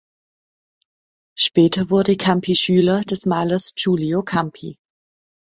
Später wurde Campi Schüler des Malers Giulio Campi.